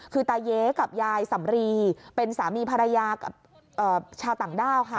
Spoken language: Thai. คือตาเย้กับยายสำรีเป็นสามีภรรยากับชาวต่างด้าวค่ะ